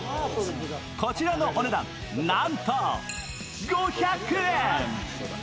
こちらのお値段、なんと５００円。